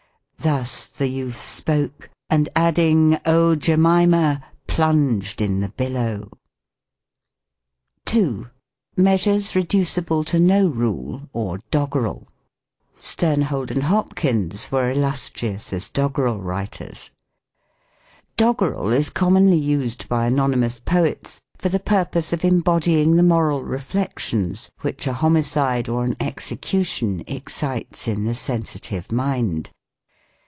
Thus the youth spoke ; and adding, ' Oh, Jemima !' Plunsed in the billow !" 2. Measures reducible to no rule, or Doggrel. Sternhold and Hopkins were illustrious as Doggrel writers. PROSODY. 135 Doggrel IS commonly used by anonymous poets to: the purpose of embodying the moral reflections which a homicide or an execution excites in tlie sensitive mind.